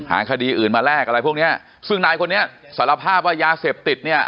คดีอื่นมาแลกอะไรพวกเนี้ยซึ่งนายคนนี้สารภาพว่ายาเสพติดเนี่ย